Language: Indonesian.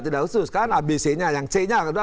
tidak khusus kan abc nya yang c nya